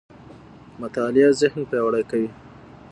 مطالعه ذهن پياوړی کوي.